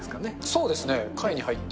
そうですね、貝に入って。